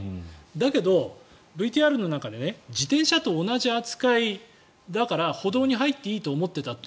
だけど、ＶＴＲの中で自転車と同じ扱いだから歩道に入っていいと思っていた。